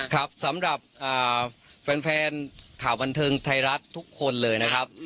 ครับสำหรับแฟนข่าวบันเทิงไทยรัฐทุกคนเลยนะครับ